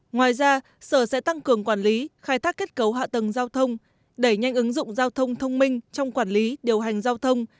ngoài ra sở sẽ tăng cường quản lý khai thác kết cấu hạ tầng giao thông đẩy nhanh ứng dụng giao thông thông minh trong quản lý điều hành giao thông